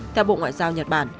theo bộ ngoại giao nhật bản